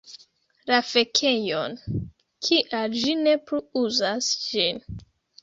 La fekejon. Kial ĝi ne plu uzas ĝin.